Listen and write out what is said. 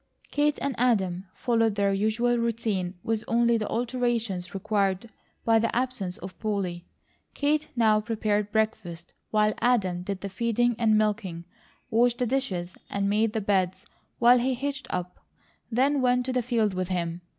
Kate and Adam followed their usual routine with only the alterations required by the absence of Polly. Kate now prepared breakfast while Adam did the feeding and milking; washed the dishes and made the beds while he hitched up; then went to the field with him.